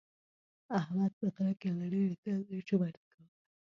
احمد په غره کې له ډېرې تندې ژبه ټکوله.